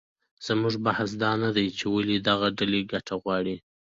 زموږ بحث دا نه دی چې ولې دغه ډلې ګټه غواړي